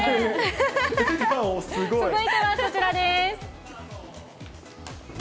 続いてはこちらです。